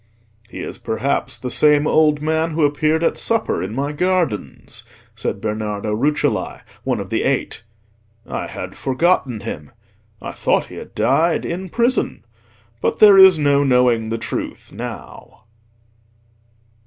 "He is perhaps the same old man who appeared at supper in my gardens," said Bernardo Rucellai, one of the Eight. "I had forgotten him. I thought he had died in prison. But there is no knowing the truth now."